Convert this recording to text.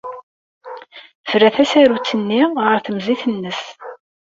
Terra tasarut-nni ɣer temzit-nnes.